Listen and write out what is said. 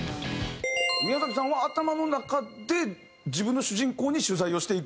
宮崎さんは頭の中で自分の主人公に取材をしていく感覚。